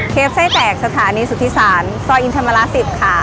เคลฟไส้แตกสถานีสุธิศาลซอยอินทรมาลา๑๐ค่ะ